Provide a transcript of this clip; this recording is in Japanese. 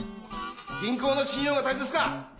銀行の信用が大切か？